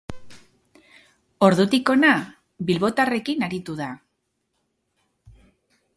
Ordutik hona, bilbotarrekin aritu da.